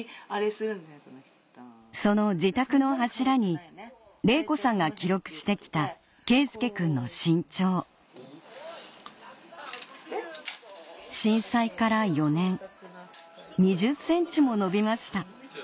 その自宅の柱に玲子さんが記録してきた佳祐くんの身長震災から４年２０ｃｍも伸びました